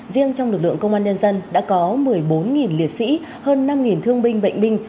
riêng trong lực lượng công an nhân dân đã có một mươi bốn liệt sĩ hơn năm thương binh bệnh binh